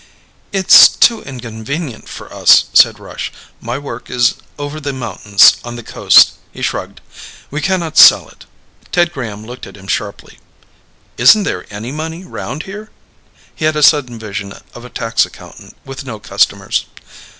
"It's too inconvenient for us," said Rush. "My work is over the mountains on the coast." He shrugged. "We cannot sell it." Ted Graham looked at him sharply. "Isn't there any money around here?" He had a sudden vision of a tax accountant with no customers.